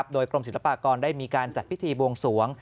โดยกรมศิลปากรได้มีการจัดพิธีบวงสวง